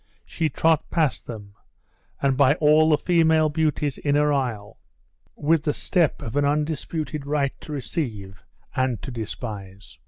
She trod past them, and by all the female beauties in her isle, with the step of an undisputed right to receive, and to despise.